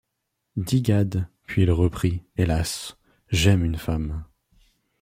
Dit Gad, puis il reprit : -Hélas ! j'aime une femme.